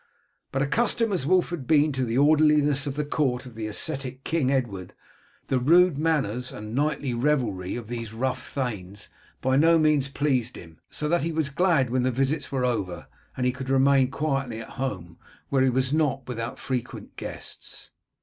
But accustomed as Wulf had been to the orderliness of the court of the ascetic King Edward the rude manners and nightly revelry of these rough thanes by no means pleased him, so that he was glad when the visits were over, and he could remain quietly at home, where he was not without frequent guests.